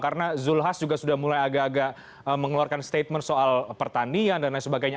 karena zulhas juga sudah mulai agak agak mengeluarkan statement soal pertanian dan lain sebagainya